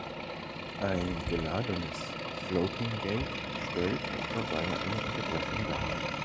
Ein geladenes Floating-Gate stellt dabei eine Unterbrechung dar.